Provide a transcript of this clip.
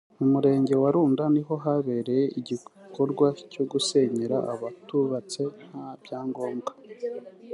mu Murenge wa Runda niho habereye igikorwa cyo gusenyera abubatse nta byangombwa